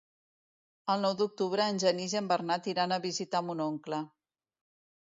El nou d'octubre en Genís i en Bernat iran a visitar mon oncle.